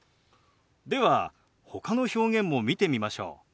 ではほかの表現も見てみましょう。